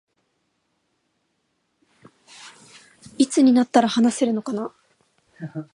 いつになったら話せるのかな